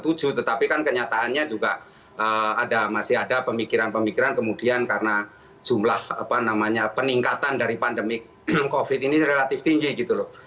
tetapi kan kenyataannya juga masih ada pemikiran pemikiran kemudian karena jumlah peningkatan dari pandemi covid ini relatif tinggi gitu loh